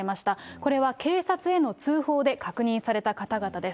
これは警察への通報で確認された方々です。